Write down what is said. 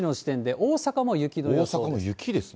大阪も雪です。